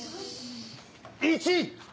１位！